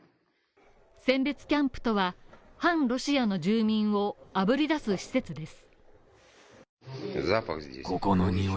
選別キャンプとは、反ロシアの住民をあぶり出す施設です。